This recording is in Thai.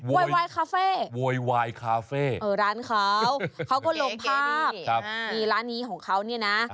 โวยวายคาเฟ่โวยวายคาเฟ่ร้านเขาเขาก็ลงภาพนี่ร้านนี้ของเขาเนี่ยนะ